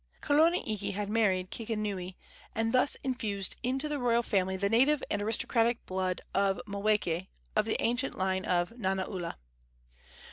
Kalona iki had married Kikinui, and thus infused into the royal family the native and aristocratic blood of Maweke, of the ancient line of Nanaula.